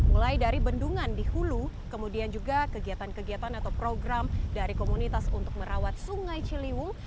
mulai dari bendungan di hulu kemudian juga kegiatan kegiatan atau program dari komunitas untuk merawat sungai ciliwung